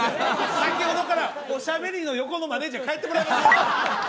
先ほどからおしゃべりの横のマネージャー帰ってもらえます？